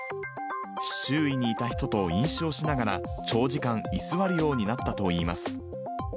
周囲にいた人と飲酒をしながら、長時間居座るようになったといいます。